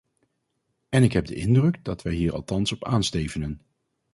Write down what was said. En ik heb de indruk dat wij hier althans op aanstevenen.